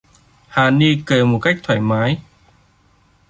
Hà Ni cười một cách thoải mái